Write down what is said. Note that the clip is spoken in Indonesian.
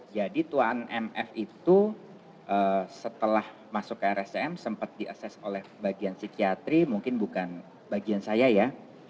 jadi tuan mf itu setelah masuk ke rscm sempat diases oleh bagian psikiatri mungkin bukan bagian saya ya